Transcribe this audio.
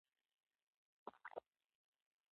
ابو کلاب څنګه یې؟ هغه ورته کړه لکه څنګه مې چې وینې،